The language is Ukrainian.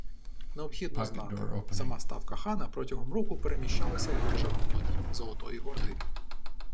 Необхідно знати – сама ставка хана протягом року переміщалася в межах володінь Золотої Орди